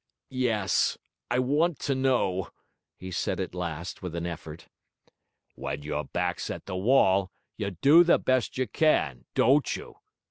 'Yes, I want to know,' he said at last with an effort. 'We'n you're back's at the wall, you do the best you can, don't you?'